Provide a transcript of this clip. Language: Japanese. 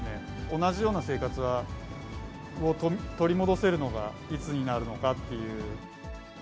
同じような生活を取り戻せるのがいつになるのかっていう。